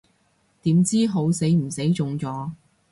點知好死唔死中咗